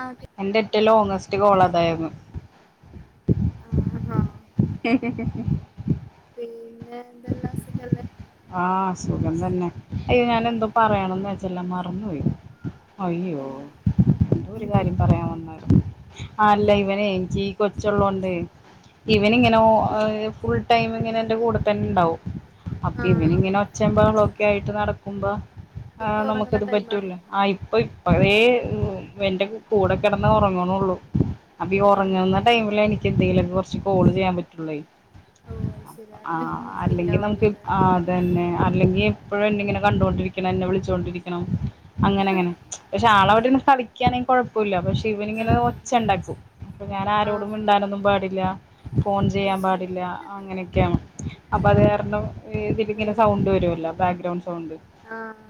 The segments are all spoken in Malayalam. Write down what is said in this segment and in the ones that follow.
ആഹ് ഓക്കെ എന്റെ എറ്റെലാേ ഓങ്ങെസ്റ്റിക് ഒള്ളെതായ്ര്ന്നു അഹ് ആഹ് [inaudible] പിന്നെ എന്തെല്ലാം സുഖല്ലേ ആഹ് സുഖം തന്നെ അയ്യോ ഞാനെന്തോ പറയണംന്ന് വെച്ചെല്ലാ മറന്നുപോയി അയ്യോ എന്തോ ഒര് കാര്യം പറയാൻ വന്നാ ആഹ് അല്ല ഇവനേ ഇൻക്കീ കൊച്ച്ള്ളാേണ്ടെ ഇവനിങ്ങെനെ ഒ ഫുൾ ടൈമ് ഇങ്ങെനെ എന്റെ കൂടെ തന്നെണ്ടാവും അപ്പ ഇവനിങ്ങെനെ ഒച്ചേം ബഹളൊക്കെ ആയിട്ട് നടക്കുമ്പോ ആ നമുക്കത് പറ്റൂൽല്ലാെ ആ, ഇപ്പൊ ഇപ്പോയെ എന്റെ കൂടെ കിടന്ന് ഉറങ്ങണള്ളൂ. അപ്പ ഉറങ്ങുന്ന ടൈമില് എനിക്ക് എന്തെങ്കിലും കുറച്ച് കോൾ ചെയ്യാൻ പറ്റുള്ളേ. ആ, അല്ലെങ്കിൽ നമുക്ക് ആ, അതന്നെ അല്ലെങ്കി എപ്പോഴും എന്നിങ്ങനെ കണ്ടൊണ്ടിരിക്കണം. എന്നെ വിളിച്ചോണ്ടിരിക്കണം. അങ്ങനെ അങ്ങനെ പക്ഷെ ആളവിടെന്ന് കളിക്കണങ്കിൽ കുഴപ്പമില്ല. പക്ഷെ ഇവനി ഇങ്ങനെ ഒച്ച ഉണ്ടാക്കും. അപ്പൊ ഞാൻ ആരോടും മിണ്ടാനൊന്നും പാടില്ല. ഫോൺ ചെയ്യാൻ പാടില്ല. അങ്ങനെയൊക്കെയാണ്. അപ്പൊ അത് കാരണം ഇതില ഇങ്ങനെ സൗണ്ട് വരുലോ ബാക്ക്ഗ്രൗണ്ട് ബാക്ക്ഗ്രൗണ്ട്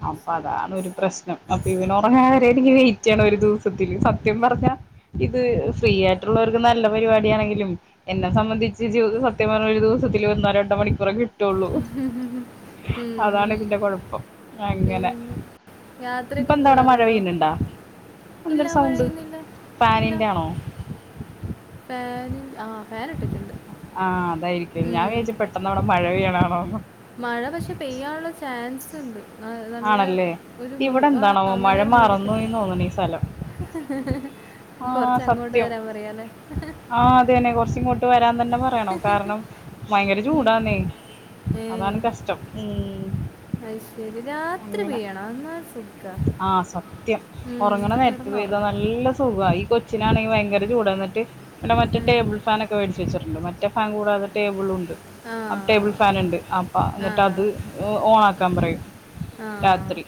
അപ്പൊ അതാണ് ഒരു പ്രശ്നം. അപ്പൊ ഇവനെ റങ്ങാൻ അ, എനിക്ക് വെയിറ്റ് ചെയ്യണം. ഒരു ദിവസത്തിൽ സത്യം പറഞ്ഞാ ഇത് ഫ്രീ ആയിട്ടുള്ളവർക്ക് നല്ല പരിപാടി ആണെങ്കിലും എന്നെ സംബന്ധിച്ച് ജീവിതം സത്യം പറഞ്ഞ ഒരു ദിവസത്തിൽ ഒന്നു ഓ രണ്ടോ മണിക്കൂറെ കിട്ടുള്ളൂ. ഹ ഹ ഉം അതാണ് ഇതിന്റെ കുഴപ്പം ഉ അങ്ങനെ [unintelligible] യാത്രയൊക്കെ ഇപ്പൊ എന്താ അവിടെ മഴ പോവാറുണ്ടോ? പെയ്യുന്നുണ്ടാ ഇല്ല എന്തൊരു സൗണ്ട് [unintelligible] ഇല്ല ഫാനിന്റെ ആണോ ഫാൻ ആ ഫാൻ ഇട്ടിട്ടുണ്ട്. പെട്ടന്ന് അവിടെ മഴ പെയ്യണാണോന്ന്. മഴ പക്ഷെ പെയ്യാനുള്ള ചാൻസ് ഉണ്ട്. ആ, നല്ല ആണല്ലേ ഒരു ഇവിടെ ആ എന്താണാവോ അങ്ങനെ മഴ ഒരു മൂടി മറന്നു കെട്ടി പോയിന്ന് തോന്നണ് ഈ സ്ഥലം കൊറച്ച്ങ്ങോട്ട് വരാൻ പറയലെ. ആ, അ തന്നെ കൊറച് ഇങ്ങോട്ട് വരാൻ തന്നെ പറയണം. കാരണം ഭയങ്കര ചൂടാന്നെ ഏ അതാണ് കഷ്ടം. ഉം. അത് ശരി രാത്രി പെയ്യണം എന്ന സുഖ. ആ, സത്യം ഉറങ്ങണ നേരത്ത് പെയ്ത കിടന്നുറങ്ങ നല്ല സുഖ, ഈ കൊച്ചിനാണെങ്കിൽ ഭയങ്കര ചൂടന്നിട്ട് ഇങ്ങനെ മറ്റേ ടേബിൾ ഫാൻ ഒക്കെ മേടിച്ചു. വെച്ചിട്ടുണ്ട്. മറ്റെ ഫാൻ കൂടാത ടേബിൾ ഉണ്ട്. ആ ടേബിൾ ഫൻ ഉണ്ട്. അപ്പ ആ എന്നിട്ട് അത് ഓൻ ആക്കാൻ പറയും. ആ ആ രാത്രി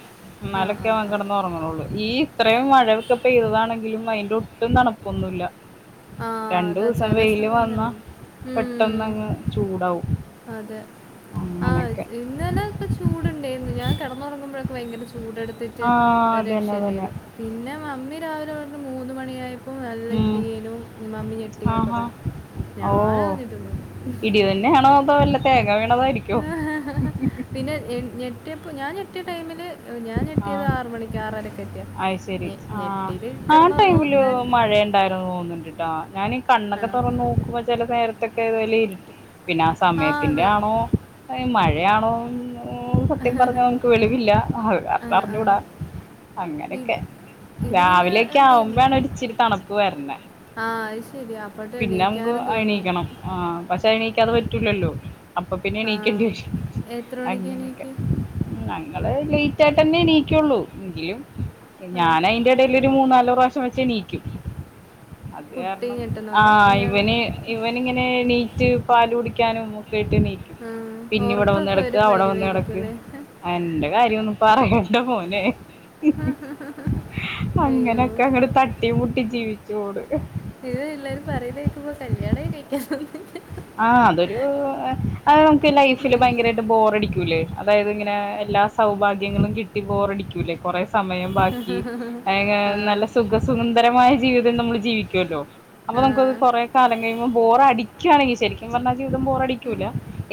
ആ ഇന്നാലൊക്കെ ഓൻ ആ കിടന്ന് ഉറങ്ങൂ. ഈ ഇത്രയും മഴയൊക്കെ പെയ്തതാണെങ്കിലും അതിന്റെ ഒട്ടും തണപ്പൊന്നുല്ല. ആ രണ്ടു അതാ ദിവസം ചില വെയില് സമയം അങ്ങനെ വന്നാ ഉണ്ട് പെട്ടന്ന് ഉം. അങ്ങ് ചൂടാവും. അതെ, ആ അങ്ങനൊക്കെ ഇത്. ഇന്നലൊക്കെ ചൂടുണ്ടായിരുന്നു. ഞാൻ കിടന്നുറങ്ങുമ്പോഴൊക്കെ ഭയങ്കര ചൂടെടുത്തിട്ട് ആഹ് ഒരു അതന്നെ അതന്നെ രക്ഷയില്ലായിരുന്നു. പിന്നെ മമ്മി രാവിലെ അവിടുന്ന് മൂന്ന് മണിയായി ഇപ്പൾ നല്ല ഉം ഇടിയും. മമ്മി ഞെട്ടി എന്നൊക്കെ ആഹാ പറഞ്ഞു. ഓ ഇടി തന്നെയാണോ അതോ വല്ല ഞാനറിഞ്ഞിട്ടൊന്നുമില്ല. തേങ്ങ വീണതായിരിക്കും. ആ, പിന്നെ ഞെട്ടിയപ്പോ ഞാൻ ഞെട്ടിയ ടൈമില് ഞാൻ ഞെട്ടിയത് ആഹ് ആറ് മണിക്ക് ആറരൊക്കെ അയ് ശരി ഞെട്ടിട്ട് കിടന്നുറങ്ങി ഞാൻ ണ്ടായി തോന്നിണ്ട് ട്ടൊ, ഞാൻ ഈ കണ്ണൊക്കെ ആണോ? തുറന്ന് നോക്കുമ്പോ ചില നേരത്തെൊക്കെ വലിയ ഇരുട്ട് പിന്നെ ആ സമയത്തിന്റെ ആണോ? മഴയാണോ? സത്യം പറഞ്ഞ ഓന്ക്ക് വെളിവില്ല. ആ, ആത് ആ. അറിഞ്ഞൂടാ. ഇ അങ്ങനെക്കെ ഇത് പിന്നെ രാവിലെയൊക്കെ ആവുമ്പോണ് എന്തേന്നു? ഇച്ചിരി തണുപ്പ് വരണെ, ആ, അത് ശരിയാ അപ്പത്തെ എണീക്കാനും തോന്നൂല, എണീക്കണം ആ, പക്ഷെ എണീക്കാതെ പറ്റൂലല്ലോ, അപ്പൊ പിന്നെ ആ എണീക്കേണ്ടി വരും. എത്ര മണിക്ക് അങ്ങനൊക്കെ, എണീക്കും ഞങ്ങള് ലേറ്റ് ആയിട്ട് തന്നെ ണീക്കുള്ളൂ. എങ്കിലും ആ ഞാനയ്ന്റെടെ മൂന്നാല് പ്രാവശ്യം വെച്ച് ണീക്കു. അത് കുട്ടി കാരണം ആ, ഞെട്ടുന്നുണ്ടോ കുഞ്ഞാവ് ഇവന്, ഇവന് ങ്ങനെ എണീറ്റ് പാല് കുടിക്കാനും ഒക്കെ ആയ്ട്ടെണീ ആ പിന്നെ ഇവിടെ വന്ന് ഉറക്കമൊക്കെ ഒരു കെടക്കാ അവിടെ വന്ന് കടക്ക്, പരിവായിരിക്കുമല്ലേ എന്റെ കാര്യ ഒന്നും പറയേണ്ട മോനെ. അയ്യോ അങ്ങനാക് കങ്ങട് തട്ടീ മുട്ടി ജീവിച്ചു പോണ്. ഇത് എല്ലാരും പറയ്ന്നെ കേക്കുമ്പോ കല്യാണേ കഴിക്കാൻ തോന്നുന്നില്ല. ആഹ് അതൊരു അത് നമുക്ക് ലൈഫില് ഭയങ്കരായ് ട്ട് ബോറടിക്കൂല്ലേ? അതായത് ഇങ്ങനെ എല്ലാ സൗഭാഗ്യങ്ങളും കിട്ടി ബോറടിക്കൂല്ലേ? കൊറേ സമയം ബാക്കി ആ [unintelligible] നല്ല സുഖ സുന്ദരമായ ജീവിതം നമ്മൾ ജീവിക്ക്യോല്ലോ, അപ്പം ആ നമുക്കത് കൊറെ കാലം കഴിയുമ്പം ബോറടിക്ക്യാണെങ്കി ശെരിക്കും പറഞ്ഞാ ജീവിതം ഉം. ബോറടിക്ക്യൂല്ല.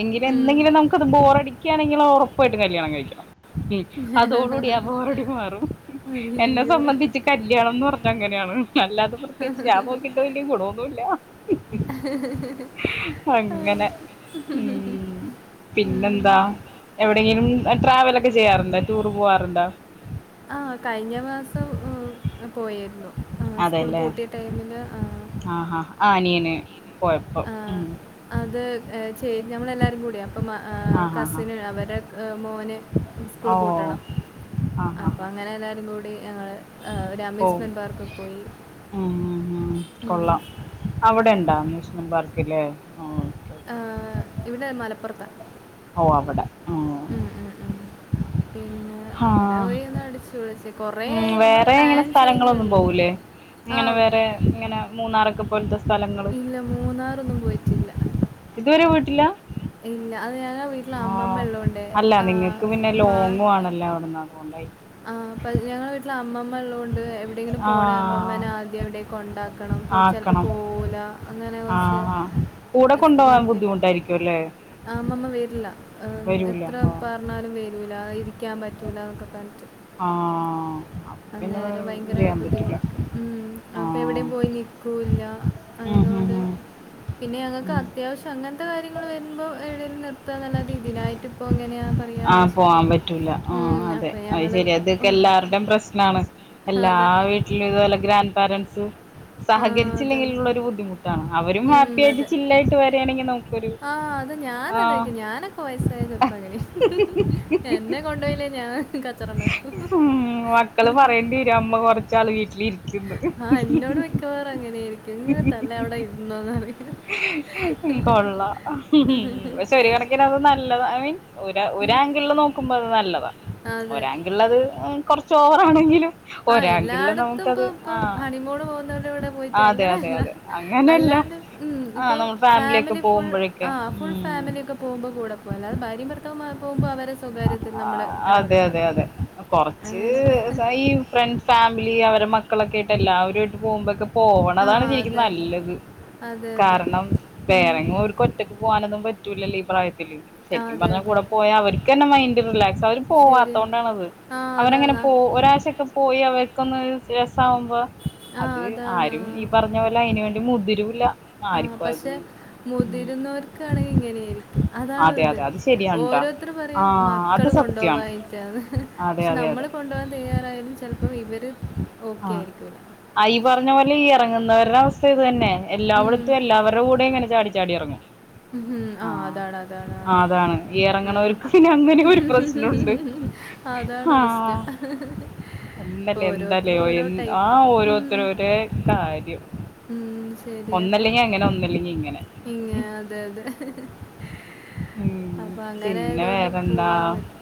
എങ്കിലും ഉം. എന്നെങ്കിലും നമുക് കത് ബോറടിക്ക്യാണെങ്കില് ഒറപ്പായിട്ടും കല്യാണം കഴിക്ക്യണം. ഉം അതോടു കൂടി ആ ബോറടി മാറും. എന്നെ അയ്യോടാ സംബന്ധിച്ച് കല്യാണം ന്ന് പറഞ്ഞ അങ്ങനെയാണ്. അല്ലാതെ പ്രത്യേകിച്ച് ഞാൻ നോക്കീട്ട് വല്യ ഗുണവൊന്നു ഇല്ല. ആ, അങ്ങനെ, ഊം. ഉം. പിന്നെന്താ, എവിടെങ്കിലും ട്രാവലൊക്കെ ചെയ്യാറുണ്ടോ ടൂർ പോവാറുണ്ടോ? ആഹ് കഴിഞ്ഞ മാസം പോയിരുന്നു. ആഹ് സ്കൂള് അതെല്ലേ പൂട്ടിയ ടൈമില്. ആഹ്. ആഹ് ഹാ ഹ് അനിയന് പോയപ്പം ആ, ഉം. അത് ചെയ് ഞമ്മളെല്ലാരും കൂട്യേ അപ്പം ഏഹ് ആഹ് ആഹ് കസിന് ആഹ് അവരെ മോന്, സ്കൂള് ഓ പൂട്ടണം ആഹ് ആഹ് അപ്പൊ ആഹ് അങ്ങനെ എല്ലാരും കൂടി ഞങ്ങള്, ഏഹ് ഒരു പോവും അമ്യൂസ്മെന്റ് പാർക്ക് പോയി. ഉം. ഉം. അവിടെണ്ടൊ അമ്യൂസ്മെൻ പാർക്കില്? ഏഹ് ഇവിടെ മലപ്പുറത്താ. ഓ അവിടെ ഉം ഉം ഉം പിന്നെ അങ്ങനെ ആഹ് പോയി അടിച്ചു പൊളിച്ച് കൊറേ ഉം ആയി നമ്മൾ വേറെ ഇങ്ങനെ പ്ലാൻ ചെയ്യുന്നെ സ്ഥലങ്ങളൊന്നും ഉള്ളു പോവൂലേ ഇങ്ങനെ ആഹ്. വേറെ ഇങ്ങനെ മൂന്നാറൊക്കെ, പോൽത്തെ സ്ഥലം ഇല്ല മൂന്നാറൊന്നും പോയിട്ടില്ല. ഇതുവരെ പോയ്‌ട്ടില്ല? ഇല്ല അത് ഞങ്ങ വീട്ടില് അമ്മമ്മ ഇള്ളോണ്ടേ ആഹ് മാ ണല്ല അവിടന്ന് അത് കൊണ്ടായിരിക്ക്യും. ആഹ് ഇപ്പ ഞങ്ങളെ വീട്ടിലമ്മ മ്മ ഇള്ളോണ്ട് എവിടെയെങ്കിലും പോണേ ആഹ് അമ്മമ്മാനെ ആദ്യം എവിടേ കൊണ്ടാക്കണം. പ്പം ചെലപ്പം ആക്കണം പോവൂല്ല. അങ്ങനെ കൊറ്ച്ച് ആഹ് ആഹ് കൂടെ കൊണ്ടുപോകാൻ [unintelligible] ആഹ് ബുദ്ധിമുട്ടായിരിക്കും അല്ലേ അമ്മമ്മ വെര്ല്ല. ഏഹ് വരൂല എത്ര, ആഹ് പറഞ്ഞാലും വരൂല്ല ഇരിക്ക്യാൻ പറ്റൂല്ല എന്നൊക്കെ പറഞ്ഞിട്ട്. ആഹ്. അപ്പൊ പിന്നെ അന്നേരം ഭയങ്കര ചെയ്യാൻ ബുദ്ധിമു പറ്റൂല ഉം അപ്പൊ ആഹ് എവിടെം പോയി നിക്കൂല്ല ഉം ഉം അതിനോണ്ട്. ഉം പിന്നെ ഉം ഞങ്ങക്കത്യാവശ്യം അങ്ങനത്തെ കാര്യങ്ങൾ വരുമ്പോ ഏടേലും നിർത്താന്നല്ലാതെ ഇതിനായിട്ട് ഇപ്പോ എങ്ങനെയാ പറയാന്ന് ആഹ് വെച്ച്. പോവാൻ പറ്റൂല, ആഹ് അതെ അത് ശെരിയാ, ഇതൊക്കെ എല്ലാർടെം പ്രശ്നാണ്. എല്ലാ അതെ വീട്ടിലും ഇതുപോല്ലെ ഗ്രാൻഡ് പാരൻ്റ്സ്, ആ അതാണ്. സഹകരിച്ചില്ലെങ്കിലുള്ള ഒരു ബുദ്ധിമുട്ടാണ്, അവരും ഹാപ്പി ആയിട്ട് ചില്ലായിട്ട് വരാണെങ്കി നമ് ആഹ് അത് ഞാനതായിക്ക്യും. ഞാനൊക്കെ വയസായ ചെൽപ്പങ്ങനെ. എന്നെ കൊണ്ടോയില്ലേ ഞാൻ കച്ചറണ്ടാക്കും ഉം മക്കള് പറയേണ്ടി വരും അമ്മ കൊറച്ചാൾ വീട്ടിലിരി ആഹ് ഇന്നോട് മിക്കവാറും അങ്ങനെയായിരിക്കും ഇങ്ങനെ തന്നെ അവിടെ ഇരുന്നോന്നറിം കൊള്ളാം പക്ഷേ ഒരു കണ ക്കിന് അത് നല്ലതാണ് ഐ മീൻ ഒര് ഉം. ഒരാങ്കിളിൽ നോക്കുമ്പോഅത് നല്ലത അതെ. ഒരാങ്ക് ങ്കിളില്ലത് കുറച്ച് ഓവറാ ണെങ്കിലും ആഹ് എല്ലായിടത്തും ഇപ്പൊ ഇപ്പ ഹണിമൂൺ പോകുന്നവര്ടെ കൂടെ പോയിട്ട് അതെ അതെ അങ്ങനെയല്ല അതെ അങ്ങനെയല്ല അല്ലാണ്ട് ഉം ആഹ് ഇപ്പോ നമ്മൾ ഫാമിലിയൊക്കെ ഫാമിലി ഫുൾ പോകുമ്പോഴൊക്കെ ആഹ് ഫുൾ ഉം ഫാമിലിയൊക്കെ പോകുമ്പോ കൂടെ പോവാ അല്ലാതെ ഭാര്യ ഭർത്താവുമായി പോകുമ്പോ അവരെ സ്വകാര്യത്തിൽ നമ്മള് ഇടപെടേണ്ട കുറച്ച് സ ഈ ഫ്രണ്ട് ഫാമിലി അവര്ടെ മക്കളൊക്കെ ആയിട്ട് എല്ലാവരും ആയിട്ട് പോകുമ്പൊക്കെ ആ പോവണതാണ് ശരിക്കും അതെ നല്ലത് അതെ അതെ അതെ കാരണം ഉം. വേറെങ്ങും ഓർക്ക് ഒറ്റക്ക് പോകാനൊന്നും പറ്റൂലല്ലോ ഈ പ്രായത്തില് ആ ശരിക്കും അതെ പറഞ്ഞാ അതെ കൂടെ പോയാ അവർ ക്കന്നെ മൈന്ഡ് റിലാക്സാ അവര് ശരിയാ പോവാത്തോണ്ടാണത് ആ അവരങ്ങനെ അതാണ് പോ ആ ഒരാഴ്ച്ചൊക്കെ പോയി അവർക്കൊന്ന് രസാവുമ്പോ ആ, അത് അതാണ് ആരും ഈ പറഞ്ഞ ഞ്ഞ പോലെ അയിന് വേണ്ടി മുതിരൂല്ല ആഹ് ആർക്കും അത് പക്ഷെ മുതിരുന്നോര് ക്കാറും ഇങ്ങനെയായിരിക്കും അതാണ് അതെ ഇത് അതെ അത് ശരിയാണ്‌ട്ടാ ഓരോരുത്തർ ആ പറയും അത് മക്കൾ സത്യാണ് കൊണ്ടുപോകാഞ്ഞിട്ടാന്ന് അതെ പക്ഷെ അതെ അതെ നമ്മള് കൊണ്ടുപോകാൻ തയ്യാറായാലും ചിലപ്പോ ഇവര് ഓക്കെ ആയിരിക്കൂല അ ഈ പറഞ്ഞ പോലെ ഈ ഇറങ്ങുന്നവരുടെ അവസ്തേം ഇത് തന്നെ ഉം. എല്ലാവിടത്തും എല്ലാവരുടെ കൂടെ ഇങ്ങനെ ചാടി ചാടി ഇറങ്ങും ഉം ഉം ആഹ് അതാടാ താടാ ആ അതാണ് ഈ ഇറങ്ങണവർക്ക് പിന്നെ അങ്ങനെ ഒരു പ്രശ്നമുണ്ട് ആഹ് അതാണ് ആഹ് പ്രശ്നം ഒന്നല്ലേ ഓരോരുത്തർ എന്താലേ യോ ഓരോ എൻ ടൈപ്പ് ആഹ് ഓരോരുത്തരൊരേ കാര്യം ഒന്നല്ലെങ്കി അങ്ങനെ ഒന്നല്ലെങ്കി ഇങ്ങനെ ഇങ്ങ അതെ അതെ ഉം അപ്പൊ അങ്ങനെ പിന്നെ ആയത് കൊണ്ട് വേറെന്താ പോവാൻ പറ്റ്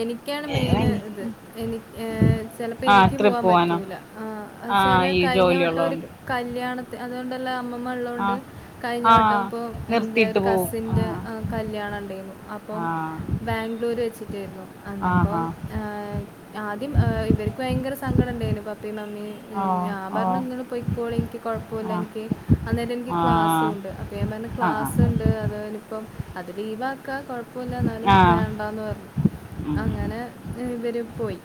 എനിക്കാണ് മെയിന് ഇത് എനി ഏഹ് ചിലപ്പോ ആഹ് എനിക്ക് ട്രിപ്പ് പോവാൻ പോവാനോ പറ്റൂല. ആഹ് എച്ചാൽ ആഹ് ഈ കഴിഞ്ഞ ജോലി വട്ടം ഒരു ഉള്ളോണ്ട് കല്ല്യാണത്തിന് അതുകൊണ്ടല്ലാ അമ്മമ്മ ഉള്ളോണ്ട് ആഹ് കഴിഞ്ഞ വട്ടം ആഹ് ഇപ്പോ എൻ്റെ നിർത്തിയിട്ട് ഒരു പോവും കസിൻ്റെ ആഹ് ഏഹ് കല്ല്യാണം ഉണ്ടായിരുന്നു അപ്പം ആഹ് ബാംഗ്ലൂര് വെച്ചിട്ടായിരുന്നു ആഹ് അന്നപ്പം ആഹ് ആഹ് ആദ്യം ഏഹ് ഇവർക്ക് ഭയങ്കര സങ്കടം ഉണ്ടായിരുന്നു പപ്പയും ഓ മമ്മിയും ഞാൻ ഓ പറഞ്ഞ് ഇങ്ങള് പോയിക്കോളീം എനിക്ക് കുഴപ്പവില്ല ആ എനിക്ക് അന്നേരം എനിക്ക് ആ ക്ലാസ്സുണ്ട് അപ്പൊ ഞാൻ പറഞ്ഞ് ആ ആ ക്ലാസ്ണ്ട് അതാണിപ്പം അത് ലീവാക്കാ കുഴപ്പവില്ല എന്നാലും ആ വേണ്ടാന്ന് പറഞ്ഞു ഉം. അങ്ങ നെ ഇവര് പോയി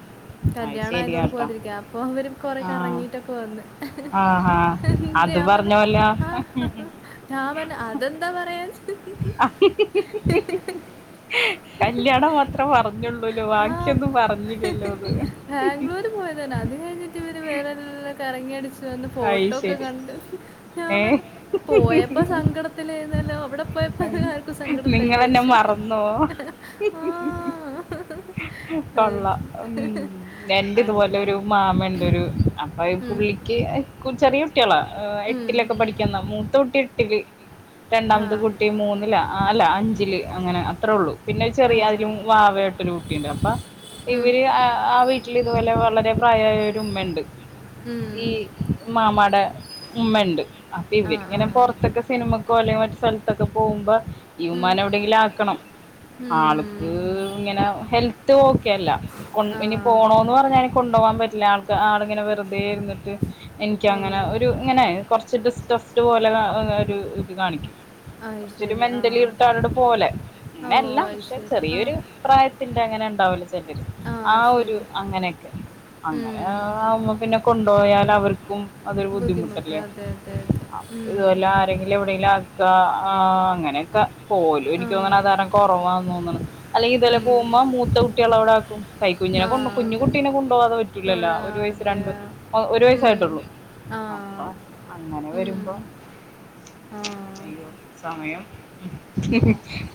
അത് കല്യാണം ശരിയാ ആയതോണ്ട് ട്ടോ പോവാതിരിക്ക പ്പൊവരും കുറേ ആ കറങ്ങീട്ടൊക്കെ വന്ന് ആഹാ ന്നട്ട് അത് ഞാൻ പറഞ്ഞു പറഞ്ഞോലോ ആഹ് അഹ് അഹ് ഞാൻ പറഞ്ഞ് അതെന്താ പറയാന്ന് കല്യാണം മാത്രേ പറഞ്ഞുള്ളൂല്ലോ ബാക്കിയൊന്നും പറഞ്ഞില്ലല്ലോന്ന് ബാംഗ്ലൂര് പോയതാണ് അത് കഴിഞ്ഞിട്ട് ഇവര് വേറെല്ലാം കറങ്ങിയടിച്ച് ച്ച് വന്ന് അത് ഫോട്ടോക്കെ ശരി കണ്ട് ഞാൻ ഏ പറഞ്ഞു പോയപ്പോ സങ്കടത്തിലയിന്നല്ലോ അവിടെ പോയപ്പോ സങ്കടം ഇണ്ടായില്ലേ നിങ്ങളെന്നെ ചോയ്ച്ചു മറന്നോ ആഹ് കൊള്ളാം ഉം എന്റെ അങ്ങനെ ഇതുപോലെ ഒരു മാമണ്ട് ഒരു അപ്പൊ ഉം. പുള്ളിക്ക് ചെറിയ കുട്ടികളാ ഉം. എട്ടിലൊക്കെ പഠി ക്കുന്ന മൂത്ത കുട്ടി എട്ടില് രണ്ടാമത്തെ ആ കുട്ടി മൂന്നിലാ ആ അല്ല അഞ്ചില് അങ്ങനെ അത്രെള്ളു പിന്നെ ആ, ചെറിയ ആ. അതിലും വാവായിട്ടൊരു കുട്ടിയുണ്ട് അപ്പൊ. ഉം. ഇവര് ആ ആ വീട്ടിൽ ഇതുപോലെ വളരെ പ്രായായൊരു ഉമ്മണ്ട് ഉം. ഈ മാമാടെ ഉമ്മണ്ട് അപ്പൊ ആ, ആ, ഇവരിങ്ങനെ ആ. പൊർത്തൊക്കെ സിനിമക്. ക്കേലെ മറ്റ് ഫ്രണ്ട്സ് ഒക്കെ പോകുമ്പോ ഉം. ഇമ്മാനെ ഇവി ങ്കിലാക്കണം ഉം. ആൾക്ക് ഇങ്ങനെ ഹെൽത്ത് ഓക്കെല്ല. കൊ ആ. ഇനി പോണോന്ന് പറഞ്ഞനി കൊണ്ടോകാൻ പറ്റില്ല ആള്ക്ക് ആള് ഇങ്ങനെ വെറുതേ ഇര്ന്ന്ട്ട്. ഓ. എനിക്കങ്ങനെ ഒരുങ്ങനെ കൊർച്ച് ഡിസ്ട്രസ്റ്റ് പോലെ ഒരു ഇത് കാണിക്കും അത് കൊർച്ചൊരു ശരി. ആ. മെന്റലി ഇറിട്ടടട്പോലെ ഓ, അങ്ങനെയല്ല അത് പക്ഷെ ശരി. ആ. ചെറിയൊരു. പ്രായത്തിന്റെ അങ്ങനെണ്ടാവല്ലൊ ചെലര് ആ ഒരു അങ്ങനെയൊക്കെ അങ്ങനെ ഉം. ആകുമ്പോ പിന്നെ കൊണ്ടോയാൽ അവർക്കും. അതൊരു ബുദ്ധിമുട്ട്. ബുദ്ധിമുട്ടല്ലേ അതെ, അതെ, അതെ. ഉം. അപ്പൊത്പോലെ ആരെങ്കിലും എവിടെങ്കിലും ആക് ആക്കാ അങ്ങനൊക്കെ പോവലാ ആ. എനിക്ക് തോന്ന്ണ് അങ്ങനെ കൊറവാ തോന്ന്ണ് അല്ലെങ്കിൽ ഇതോ ഉം. പോവുമ്മം മൂത്ത കുട്ട്യ അവ്ടാകും, കൈകുഞ്ഞിനെ ആ, കൊണ്ട് കുഞ്ഞു അതെ. കുട്ടീനെ കൊണ്ടോകാതെ കൊഴ പറ്റൂലല്ലോ ഒരു വയസ് അതെ. രണ്ട് ഒരു ഉം. വയസായ്ട്ടൊള്ളൂ ആ. അപ്പൊ അങ്ങനെ ഉം. വരുമ്പോ. ആ. അയ്യോ. സമയം,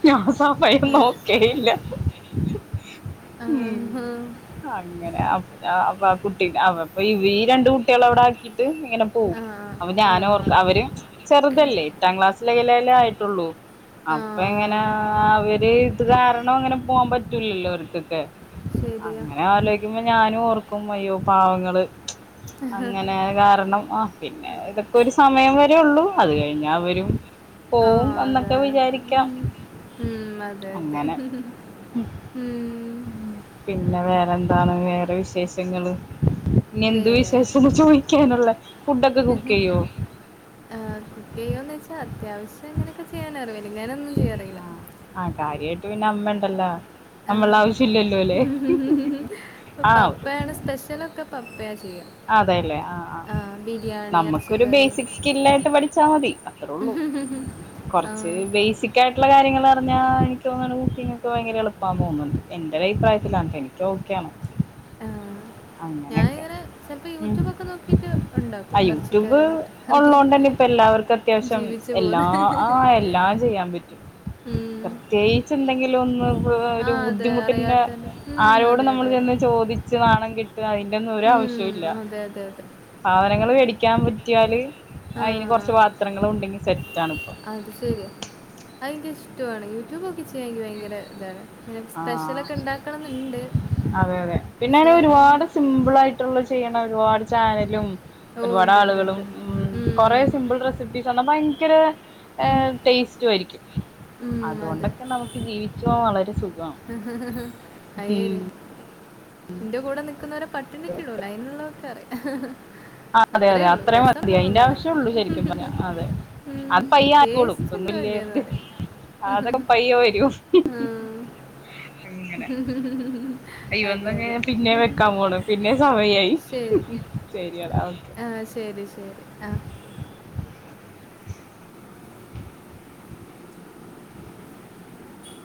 ഞാൻ സമയം ആ. നോക്കേയില്ല. ഉം. ആ. അങ്ങനെ അപ്പൊ ആ കുട്ടി അപ്പൊ ഈ രണ്ട് കുട്ടികളെ അവിടാക്കീട്ട് ഇങ്ങനെ പോകും. ആ. അപ്പൊ ആ. ഞാനോർക്ക ആ. അവര് ചെറുതല്ലേ എട്ടാം ക്ലാസ്സിലെലേലേ ആയിട്ടൊള്ളു. ആ അപ്പൊ ഇങ്ങനെ അവര് ഇത് കാരണം അങ്ങനെ. പോവാം പറ്റൂലല്ലോ അവർക്കൊക്കെ ശരിയാ അങ്ങനെ ആലോ കുമ്പോ ഞാനോർക്കും അയ്യോ പാവങ്ങള് അങ്ങനെ കാരണം ആഹ് പിന്നെ ഇതൊക്കെ ഒരു സമയം വരെള്ളു അത് കഴിഞ്ഞാവരും. ആ പോവും എന്നൊക്കെ അതാണ് വിചാരിക്കാം. ഉം, അതെ അതെ അങ്ങനെ ഉം, പിന്നെ വേറെന്താണ് വേറെ വിശേഷങ്ങള്. ഇനി എന്ത് വേറെ വിശേഷാന്ന് ചോയ്ക്കാന്ള്ള്, ഫുഡൊക്കെ കുക്കെയ്യോ? ആ കുക്ക് ചെയ്യോന്നോയ്ച്ചാ അത്യാവശ്യം അങ്ങനൊക്കെ ചെയ്യാനറിയാം വല്ങ്ങനൊ ന്നും ചെയ്യാനറിയില്ല. ആഹ് ആഹ് കാര്യായ്ട്ട് പിന്നെ അമ്മണ്ടല്ലോ ആ, നമ്മളെ ആവശ്യം ഇല്ലല്ലോലേ. ഇപ്പ പപ്പയാണ് സ്പെഷ്യലൊക്കെ പപ്പയാ ചെയ്യാ അതെല്ലേ ആഹ് ആഹ് നമ്മുക്കൊരു ഇറച്ചിക്കറി ബേസിക് എന്നൊക്കെ. സ്കില്ലായിട്ട് പഠിച്ചാ മതി അത്രെ ഒള്ളൂ. ആ, കൊർച്ച് ബേസി ക്കായിട്ടുള്ള കാര്യങ്ങള് പർഞ്ഞാ എനിക്കോന്ന്ണ് കുക്കിങ്ങൊക്കെ ഭയങ്കര എളുപ്പാ തോന്നുണ് ണ്ട്എന്റൊ ഒര് അഭിപ്രായത്തിലാണ് എനി ചോയിക്കാണ് ആ, അങ്ങനൊക്കെ. ഞാനിങ്ങനെ ചിലപ്പോൾ ഉം യൂട്യൂബൊക്കെ നോക്കിയിട്ട് ഉണ്ടാക്കും ആഹ് യൂട്യൂബ് ഇറച്ചിക്കറി മുട്ടക്കറി ഉള്ളതോണ്ടന്നെ ഇപ്പം എല്ലാവർക്കും അത്യാവശ്യം ജീവിച്ചു എല്ലാ പോകുന്നത് എല്ലാം ചെയ്യാംപറ്റും ഉം. പ്രത്യേ കിച്ച്ന്തെങ്കിലൊന്ന് ആ, ഒരു അതെ ബുദ്ധിമുട്ടിന്റെ അറിയാത്തതിന്റെ ഉം, ആരോട് അതെ നമ്മൾ അതെ അതെ ചെന്ന്. ചോദിച്ച് നാണം കെട്ട് അയിന്റൊന്നും ഒരാവശ് ഉം, അതെ അതെ അതെ സാധനങ്ങള് മോടിക്കാൻ പറ്റ്യാല് ആ അതിന് കൊർച്ച് പാത്രങ്ങളും ഉണ്ടെങ്കി സെറ്റാണ് ഇപ്പൊ. അത് ശര്യാ അതെനിക്കിഷ്ടോണ് യൂട്യൂബ്നോക്കി ചെയ്യാെൻ എനിക്ക് ഭയങ്കര ഇതാണ്. ഇങ്ങനെ ആഹ് സ്പെഷ്യലൊക്കെ ഉണ്ടാക്കണം എന്നുണ്ട് അതെതെ പിന്നെങ്ങനെ പക്ഷെ ഉം, ഒരുപാട് സിംപിളായ് ട്ട്ള്ള ചെയ്യ്ണ ഒരുപാട് ചാനലും ഓ ഉണ്ട് ഉണ്ട് ഒരുപാടാളുകളും ഉണ്ട് ഉം, കൊറെസിംപിൾ റെസിപ്പി ഭയങ്കര ഉം, ടേസ്റ്റുംആരിക്കും ഉം, അതൊണ്ടെക്ക നമ് ജീവിച്ചൂന്ള്ളൊരു സുഖം. അയീര് ന്റെ കൂടെ നിക്ക്ന്നവരെ. പട്ടിണിക്ക്ടൂല അയ്നുള്ളതൊക്കെ അറിയാ. ആ അതെ അതെ അത്രേള്ളൂ, അത്രയും മതി അതിന്റെ രസംണ്ടോന്നൊന്നുംഅറീല. ആവശ്യമുള്ളൂ ശരിക്കും പറഞ്ഞാ അതെ ഉം അത് പയ്യെ ആയിക്കോളും ഇതൊന്നും ടേസ്റ്റ്ണ്ടോ വലിയ ഇത് ല്ലേന്ന്റീ അതൊക്കെ പയ്യെ വരും മം അങ്ങനെ അയ്യൊ അതെ അതെ അന്നങ്ങനെ പിന്നേം വെക്കാൻ പോണ് പിന്നേം സമയായി ശരിയാടാ ഓക്കെ ആഹ് ശരി ശരി അഹ്